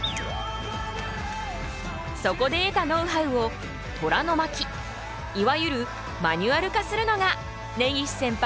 そこで得たノウハウを虎の巻いわゆるマニュアル化するのが根岸センパイの仕事。